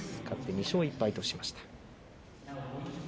勝って２勝１敗としました。